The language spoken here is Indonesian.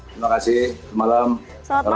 terima kasih selamat malam